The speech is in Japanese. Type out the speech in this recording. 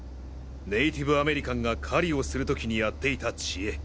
ネイティブアメリカンが狩りをする時にやっていた知恵。